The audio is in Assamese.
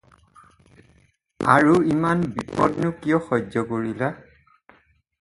আৰু ইমান বিপদ নো কিয় সহ্য কৰিলা?